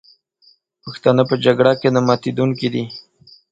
پښتانه په جګړه کې نه ماتېدونکي دي.